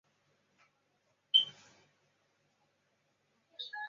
加尔旺是葡萄牙贝雅区的一个堂区。